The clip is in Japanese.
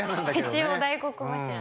一応大黒柱。